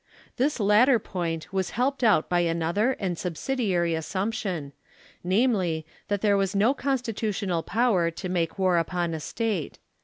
This latter point was helped out by another and subsidiary assumption, namely, that there was no constitutional power to make war upon a State.